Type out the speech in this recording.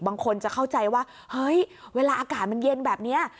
บางคนจะเข้าใจว่าเฮ้ยเวลาอากาศมันเย็นแบบนี้